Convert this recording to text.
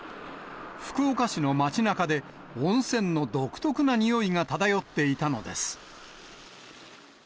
福岡市の街なかで、温泉の独特なにおいが漂っていたのです。